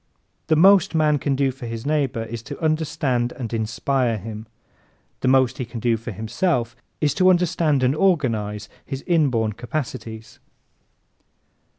The most man can do for his neighbor is to understand and inspire him. The most he can do for himself is to understand and organize his inborn capacities.